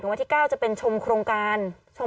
กล้องกว้างอย่างเดียว